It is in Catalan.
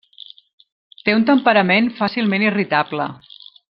Té un temperament fàcilment irritable.